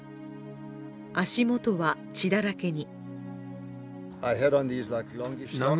足元は血だらけに。